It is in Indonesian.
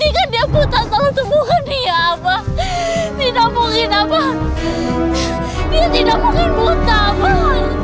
kita tidak mungkin buta